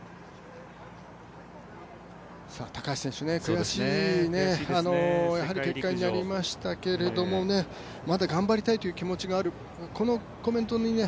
高橋選手悔しい結果になりましたけどまだ頑張りたいという気持ちがある、このコメントにね